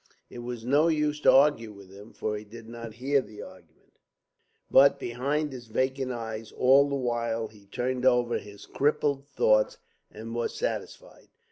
It was no use to argue with him, for he did not hear the argument, but behind his vacant eyes all the while he turned over his crippled thoughts and was satisfied.